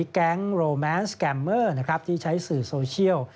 แก๊งโรแมนสแกมเมอร์ที่ใช้สื่อโซเชียล